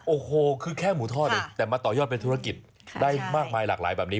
โอ้โหคือแค่หมูทอดเองแต่มาต่อยอดเป็นธุรกิจได้มากมายหลากหลายแบบนี้